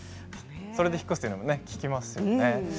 それで引っ越すというのも聞きますよね。